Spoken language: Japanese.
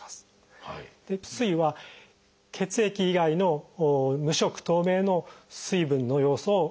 「水」は血液以外の無色透明の水分の要素を「水」と。